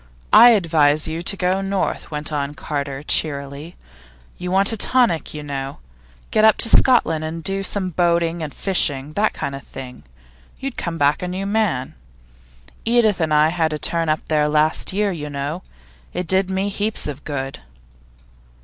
'I advise you to go north,' went on Carter cheerily. 'You want a tonic, you know. Get up into Scotland and do some boating and fishing that kind of thing. You'd come back a new man. Edith and I had a turn up there last year, you know; it did me heaps of good.